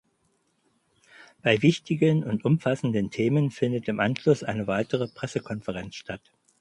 Bei wichtigen und umfassenden Themen findet im Anschluss eine weitere Pressekonferenz statt.